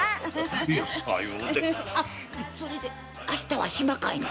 それで明日は暇かいの？